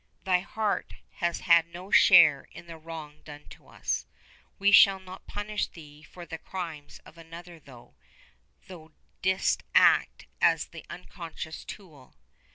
Thy heart has had no share in the wrong done to us. We shall not punish thee for the crimes of another, tho' thou didst act as the unconscious tool.